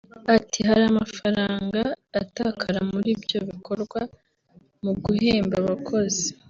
Ati “Hari amafaranga atakara muri ibyo bikorwa mu guhemba abakozi